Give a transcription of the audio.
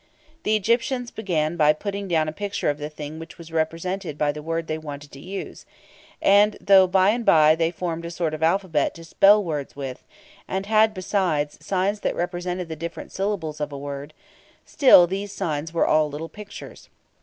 The Egyptians began by putting down a picture of the thing which was represented by the word they wanted to use, and, though by and by they formed a sort of alphabet to spell words with, and had, besides, signs that represented the different syllables of a word, still, these signs were all little pictures.